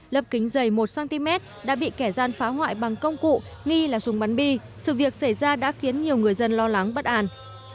lớp kính dày một cm đã bị kẻ gian phá hoại bằng công cụ nghi là súng bắn bi sự việc xảy ra đã khiến nhiều người dân lo lắng bất an